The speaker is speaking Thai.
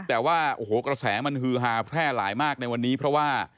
แต่ว่าโอ้โหกระแสมันฮือฮาแพร่หลายมากในวันนี้เพราะว่า